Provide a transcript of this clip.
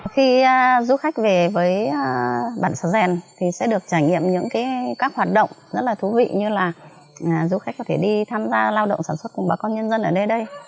khi du khách về với bản số giền thì sẽ được trải nghiệm những các hoạt động rất là thú vị như là du khách có thể đi tham gia lao động sản xuất cùng bà con nhân dân ở đây